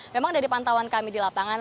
memang dari pantauan kami di lapangan